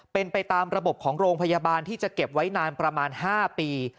เป็นไปตามระบบของโรงพยาบาลที่จะเก็บไว้นานประมาณ๕ปี